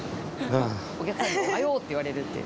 お客さんに「おはよう」って言われるっていう。